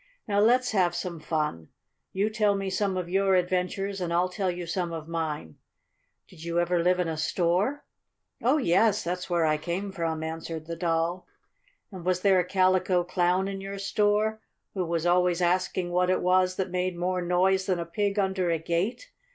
"Now let's have some fun. You tell me some of your adventures and I'll tell you some of mine. Did you ever live in a store?" "Oh, yes, that's where I came from," answered the Doll. "And was there a Calico Clown in your store, who was always asking what it was that made more noise than a pig under a gate?"